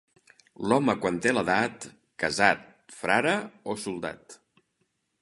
L'home quan té l'edat, casat, frare o soldat.